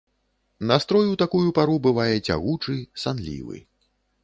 Настрой у такую пару бывае цягучы, санлівы.